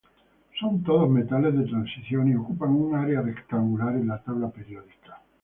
Son todos metales de transición y ocupan un área rectangular en la tabla periódica.